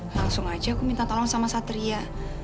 langsung aja aku minta tolong sama satria